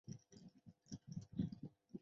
对我而言都有既定的目标